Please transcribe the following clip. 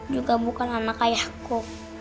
juga bukan anak ayahku